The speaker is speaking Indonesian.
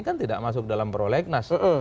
kan tidak masuk dalam prolegnas